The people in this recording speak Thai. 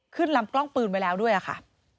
ลำกล้องปืนไว้แล้วด้วยค่ะ